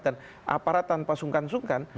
aparat tanpa sungkan sungkan